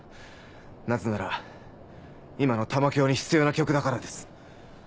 なぜなら今の玉響に必要な曲だからです。